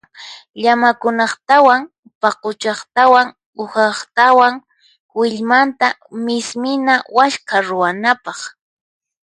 Llamakunaqtawan paquchaqtawan uhaqtawan willmanta mismina waskha ruwanapaq.